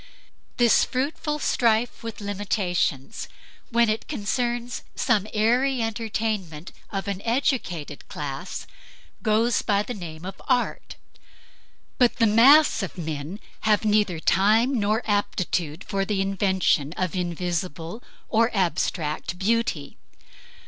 This fruitful strife with limitations, when it concerns some airy entertainment of an educated class, goes by the name of Art. But the mass of men have neither time nor aptitude for the invention of invisible or abstract beauty.